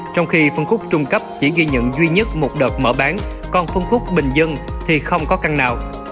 trong khi phân khúc trung cấp chỉ ghi nhận duy nhất một đợt mở bán còn phân khúc bình dân thì không có căn nào